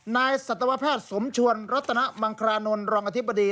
สัตวแพทย์สมชวนรัตนมังครานนท์รองอธิบดี